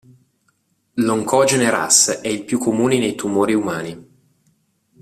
L'oncogene Ras è il più comune nei tumori umani.